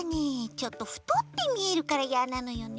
ちょっとふとってみえるからいやなのよね。